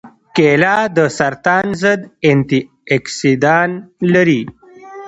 کېله د سرطان ضد انتياکسیدان لري.